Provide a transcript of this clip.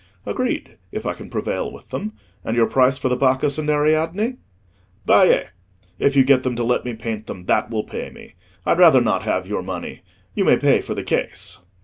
"Agreed, if I can prevail with them. And your price for the Bacchus and Ariadne?" "Baie! If you get them to let me paint them, that will pay me. I'd rather not have your money: you may pay for the case."